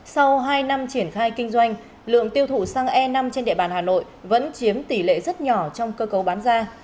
sau hai năm triển khai kinh doanh lượng tiêu thụ xăng e năm trên địa bàn hà nội vẫn chiếm tỷ lệ rất nhỏ trong cơ cấu bán ra